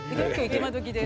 今どきで。